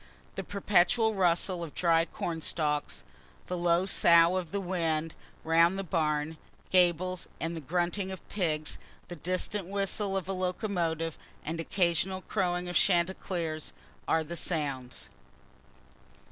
The perpetual rustle of dry corn stalks, the low sough of the wind round the barn gables, the grunting of pigs, the distant whistle of a locomotive, and occasional crowing of chanticleers, are the sounds.